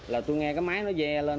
là tui nghe cái máy nó dè lên